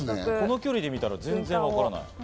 俺、この距離で見ても、全然わからない。